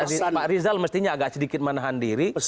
dan pak rizal mestinya agak sedikit menahan diri